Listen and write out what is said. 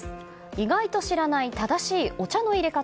意外と知らない正しいお茶の入れ方。